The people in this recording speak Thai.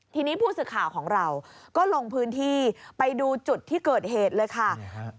ทีนี้ผู้สื่อข่าวของเราก็ลงพื้นที่ไปดูจุดที่เกิดเหตุเลยค่ะ